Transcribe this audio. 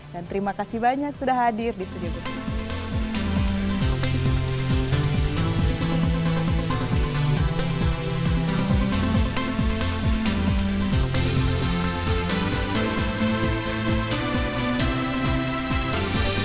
dan terima kasih banyak sudah hadir di studio kita